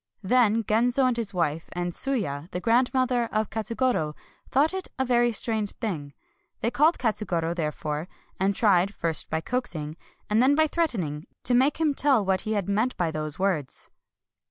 Then Genzo and his wife, and Tsuya, the grandmother of Ka tsugoro, thought it a very strange thing. They called Katsugoro, therefore ; and tried, first by coaxing, and then by threatening, to make him tell what he had meant by those words.